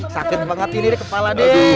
sakit banget ini deh kepala dek